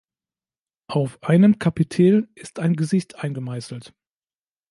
Auf einem Kapitell ist ein Gesicht eingemeißelt.